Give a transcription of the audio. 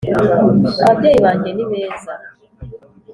ababyeyi banjye ni beza.